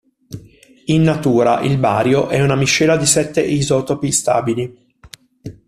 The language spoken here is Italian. In natura il bario è una miscela di sette isotopi stabili.